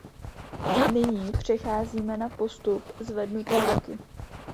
Nyní přecházíme na postup zvednuté ruky.